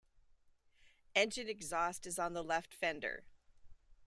Engine exhaust is on the left fender.